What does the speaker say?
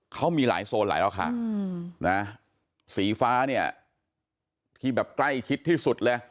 เขามีหลายโซนหลายราคาสีฟ้าที่ใกล้คิดที่สุดเลย